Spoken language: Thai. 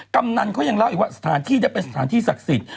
กำนันเขายังเล่าอีกว่าสถานที่ได้เป็นสถานที่ศักดิ์สิทธิ